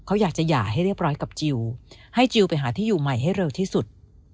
เขาอยากจะหย่าให้เรียบร้อยกับจิลให้จิลไปหาที่อยู่ใหม่ให้เร็วที่สุด